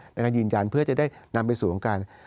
ในการยืนยันเพื่อจะได้นำไปสู่การ